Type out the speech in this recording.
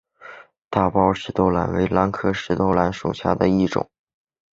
大苞石豆兰为兰科石豆兰属下的一个种。